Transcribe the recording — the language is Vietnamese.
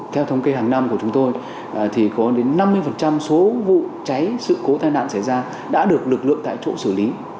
theo thống kê hàng năm của chúng tôi thì có đến năm mươi số vụ cháy sự cố tai nạn xảy ra đã được lực lượng tại chỗ xử lý